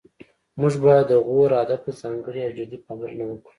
موږ باید د غور ادب ته ځانګړې او جدي پاملرنه وکړو